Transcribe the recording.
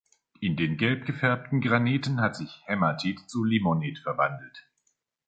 In den gelb gefärbten Graniten hat sich Hämatit zu Limonit verwandelt.